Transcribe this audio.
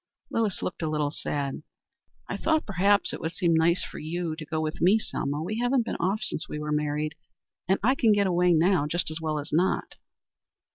Lewis looked a little sad. "I thought, perhaps, it would seem nice for you to go with me, Selma. We haven't been off since we were married, and I can get away now just as well as not."